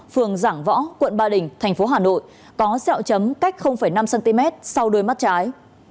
phường giảng võ quận ba đình thành phố hà nội có xeo chấm cách năm cm sau đuôi mắt trái